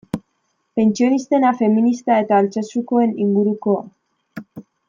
Pentsionistena, feminista eta Altsasukoen ingurukoa.